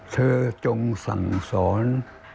จงสั่งสอน